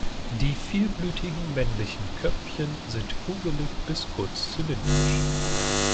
Die vielblütigen männlichen Köpfchen sind kugelig bis kurz zylindrisch.